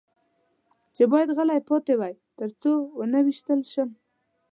چې باید غلی پاتې وای، تر څو و نه وېشتل شم.